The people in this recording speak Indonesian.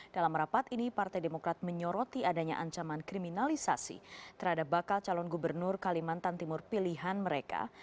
dalam rapat ini partai demokrat menyoroti adanya ancaman kriminalisasi terhadap bakal calon gubernur kalimantan timur pilihan mereka